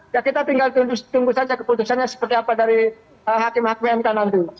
ya kita tinggal tunggu saja keputusannya seperti apa dari hakim hakim mk nanti